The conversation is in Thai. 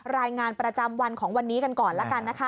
รายงานประจำวันของวันนี้กันก่อนแล้วกันนะคะ